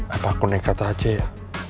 aku nekat aja ya